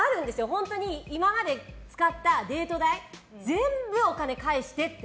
本当に今まで使ったデート代全部、お金返してって。